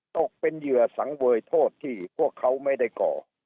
ตกเป็นเหยื่อสังเวยโทษที่พวกเขาไม่ได้ก่อ